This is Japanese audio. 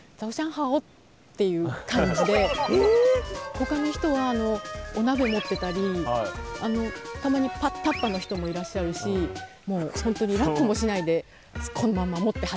ほかの人はお鍋持ってたりたまにタッパーの人もいらっしゃるしもう本当にラップもしないでこのまま持って走って。